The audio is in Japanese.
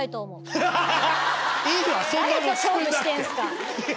誰と勝負してんですか？